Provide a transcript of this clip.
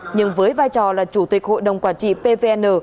nhưng với vai trò là chủ tịch hội đồng quản trị pvn